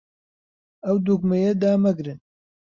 ئەو دوگمەیە دامەگرن.